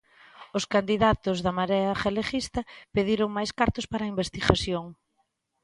Os candidatos da Marea Galeguista pediron máis cartos para investigación.